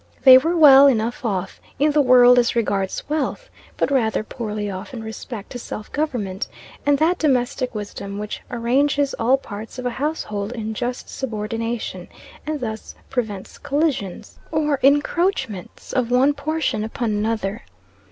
They were well enough off in the world as regards wealth, but rather poorly off in respect to self government and that domestic wisdom which arranges all parts of a household in just subordination, and thus prevents collisions, or encroachments of one portion upon another.